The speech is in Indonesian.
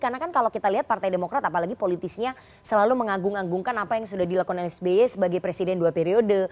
karena kan kalau kita lihat partai demokrat apalagi politisnya selalu mengagung agungkan apa yang sudah dilakukan sbi sebagai presiden dua periode